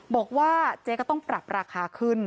บอกว่าเจ๊ก็ต้องปรับราคาขึ้น